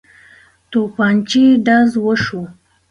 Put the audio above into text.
توپنچې ډز وشو.